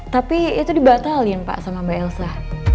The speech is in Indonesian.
tapi itu dibatalin pak sama mbak elsa